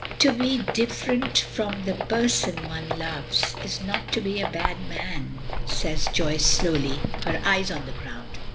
"To be different from the person one loves is not to be a bad man," says Joyce slowly, her eyes on the ground.